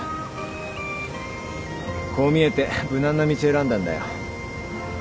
こう見えて無難な道選んだんだよ。